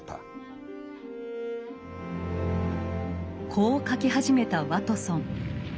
こう書き始めたワトソン。